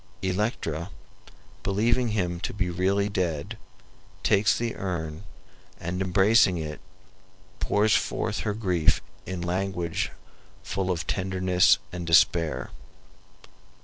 Electra, believing him to be really dead, takes the urn and, embracing it, pours forth her grief in language full of tenderness and despair.